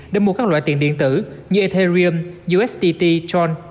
để mua các loại tiền điện tử như ethereum usdt tron